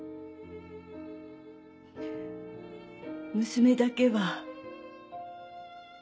娘だけは。